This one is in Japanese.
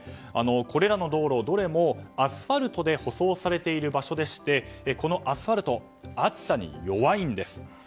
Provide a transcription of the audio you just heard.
これらの道路、どれもアスファルトで舗装されている場所でこのアスファルトは暑さに弱いんです。